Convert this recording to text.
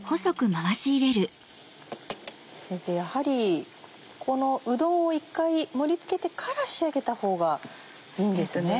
先生やはりこのうどんを１回盛り付けてから仕上げたほうがいいんですね？